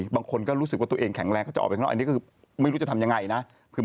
๑๔วันต้องอยู่